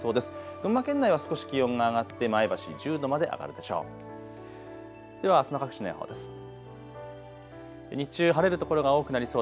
群馬県内は少し気温が上がって前橋１０度まで上がるでしょう。